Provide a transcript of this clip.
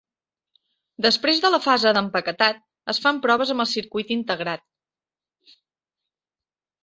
Després de la fase d'empaquetat, es fan proves amb el circuit integrat.